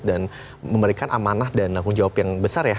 dan memberikan amanah dan tanggung jawab yang besar ya